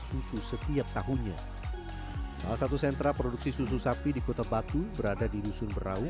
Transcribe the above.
susu setiap tahunnya salah satu sentra produksi susu sapi di kota batu berada di dusun beraung